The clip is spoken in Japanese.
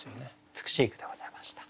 美しい句でございました。